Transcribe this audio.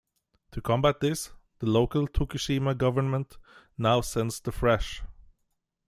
To combat this, the local Tokushima government now sends the Fresh!